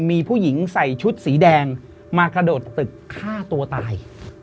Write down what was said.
มีผู้หญิงใส่ชุดสีแดงมากระโดดตึกฆ่าตัวตาย